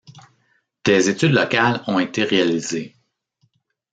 Des études locales ont été réalisées.